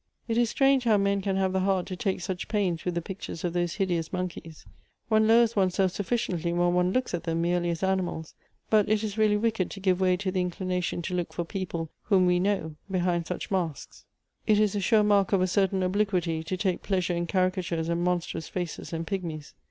"It is strange how men can have the heart to take such pains with the pictures of those hideous monkeys. One lowers one's self sufficiently when one looks at them merely as animals, but it is really wicked to give way to the inclination to look for people whom we know behind such masks." " It is a sure mark of a certain obliquity, to take pleas ure in caricatures and monstrous faces, and pigmies.